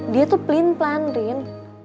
dia tuh pelin pelan rin